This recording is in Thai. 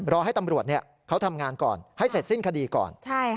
รอให้ตำรวจเขาทำงานก่อนให้เสร็จสิ้นคดีก่อน